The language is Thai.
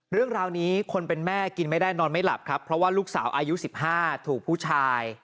เรื่องราวนี้คนเป็นแม่กินไม่ได้นอนไม่หลับครับเพราะว่าลูกสาวอายุ๑๕ถูกผู้ชาย